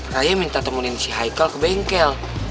raya minta temenin si haikal ke bengkel